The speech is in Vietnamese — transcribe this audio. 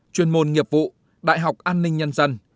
chuyên môn nghiệp vụ đại học an ninh nhân dân